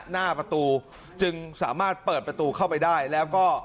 หน้าประตูจึงสามารถเปิดประตูเข้าไปได้แล้วก็